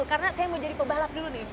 karena saya mau jadi pebalap dulu nih